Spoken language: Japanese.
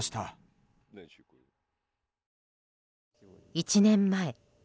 １年前。